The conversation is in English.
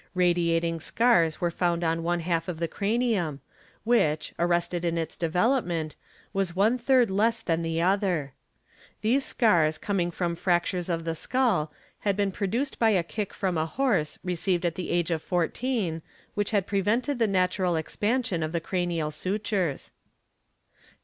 Radiating scars were found on one 7 ha lf of the cranium, which, arrested in its development, was one third less than the other. These scars coming from fractures of the skull had been 'produced by a kick from a horse received at the age of 14, which had Fits. a AA I RES OR TR ERS AP NR I RR RENN I = a 'prevented the natural expansion of the cranial sutures.